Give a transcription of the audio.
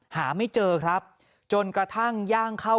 หาไม่เจอครับจนกระทั่งย่างเข้า